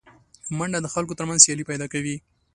منډه د خلکو تر منځ سیالي پیدا کوي